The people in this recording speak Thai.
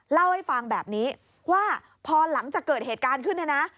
เล่าให้ฟังแบบนี้ว่าพอหลังจากเกิดเหตุการณ์ขึ้นเนี่ยนะ